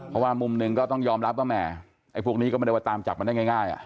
เพราะว่ามุมหนึ่งก็ต้องยอมรับว่าแหมไอ้พวกนี้ก็ไม่ได้ว่าตามจับมันได้ง่าย